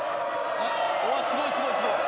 すごいすごいすごい。